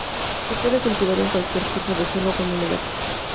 Se puede cultivar en cualquier tipo de suelo con humedad.